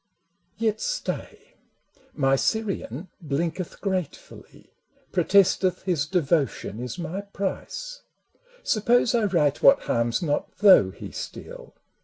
Yet stay : my Syrian blinketh gratefully, Protesteth his devotion is my price — Suppose I write what harms not, though he steal?